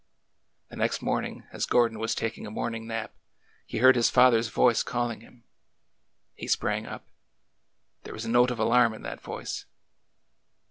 The next morning, as Gordon was taking a morning nap, he heard his father's voice calling him. He sprang up. There was a note of alarm in that voice.